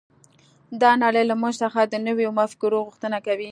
دا نړۍ له موږ څخه د نویو مفکورو غوښتنه کوي